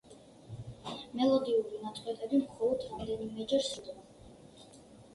მელოდიური ნაწყვეტები მხოლოდ რამდენიმეჯერ სრულდება.